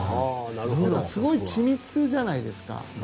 すごい緻密じゃないですか。